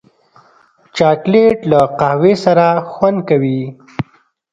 چاکلېټ له قهوې سره خوند کوي.